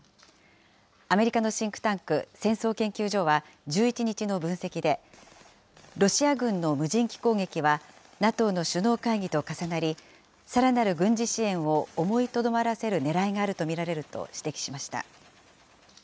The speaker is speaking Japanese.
アメリカのシンクタンク戦争研究所は１１日の分析で、ロシア軍の無人機攻撃はＮＡＴＯの首脳会議と重なり、さらなる軍事支援を思いとどまらせるねらいがあると見られると指摘しました。